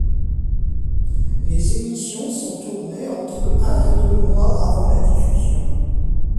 Les émissions sont tournées entre un et deux mois avant la diffusion.